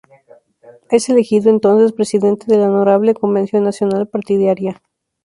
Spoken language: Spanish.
Es elegido entonces presidente de la Honorable Convención Nacional partidaria.